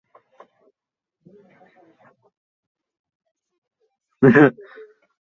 同时偏弱的移动速度及极慢的射击速度使其非常不适应近身战斗。